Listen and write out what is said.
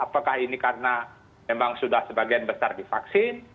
apakah ini karena memang sudah sebagian besar divaksin